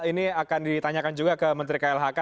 ini akan ditanyakan juga ke menteri klhk